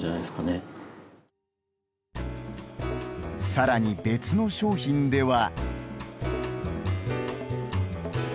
さらに別の商品では。